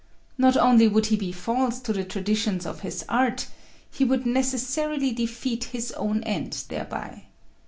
Not only would he be false to the traditions of his art: he would necessarily defeat his own end thereby.